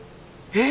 え！